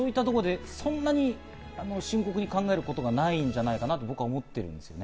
深刻に考えることはないんじゃないかなと僕は思ってるんですね。